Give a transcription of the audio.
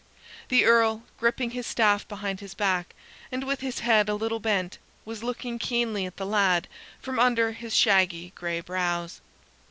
The Earl, gripping his staff behind his back, and with his head a little bent, was looking keenly at the lad from under his shaggy gray brows.